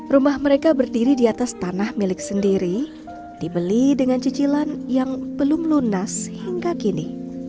rumah mereka berdiri di atas tanah milik sendiri dibeli dengan cicilan yang belum lunas hingga kini